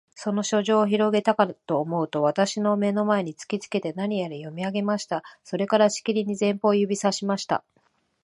その書状をひろげたかとおもうと、私の眼の前に突きつけて、何やら読み上げました。それから、しきりに前方を指さしました。